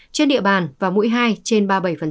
trên địa bàn và mũi hai trên ba mươi bảy